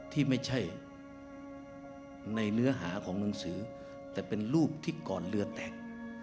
ที่ไม่ใช่ในเนื้อหาของหนังสือแต่เป็นรูปที่ก่อนเรือแตก